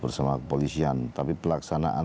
bersama kepolisian tapi pelaksanaan